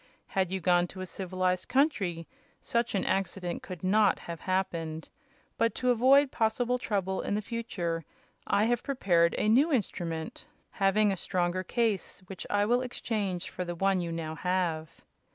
Had you gone to a civilized country such an accident could not have happened; but to avoid possible trouble in the future I have prepared a new instrument, having a stronger case, which I will exchange for the one you now have."